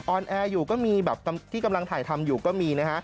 แอร์อยู่ก็มีแบบที่กำลังถ่ายทำอยู่ก็มีนะฮะ